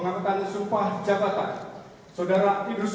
kompetensi sumpah jabatan